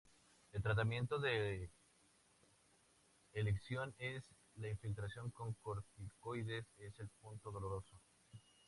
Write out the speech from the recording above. El tratamiento de elección es la infiltración con corticoides es el punto doloroso.